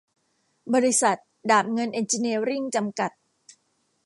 บริษัท ดาบเงินเอ็นจิเนียริ่ง จำกัด